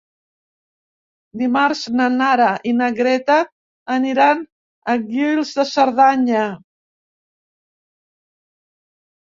Dimarts na Nara i na Greta aniran a Guils de Cerdanya.